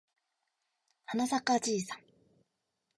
はなさかじいさん